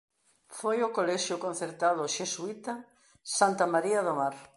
Foi ao colexio concertado xesuíta Santa María do Mar.